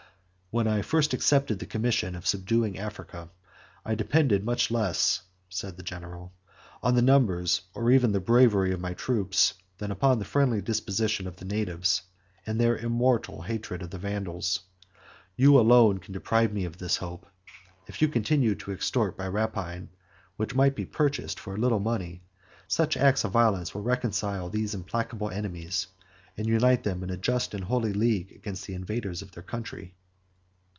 "When I first accepted the commission of subduing Africa, I depended much less," said the general, "on the numbers, or even the bravery of my troops, than on the friendly disposition of the natives, and their immortal hatred to the Vandals. You alone can deprive me of this hope; if you continue to extort by rapine what might be purchased for a little money, such acts of violence will reconcile these implacable enemies, and unite them in a just and holy league against the invaders of their country."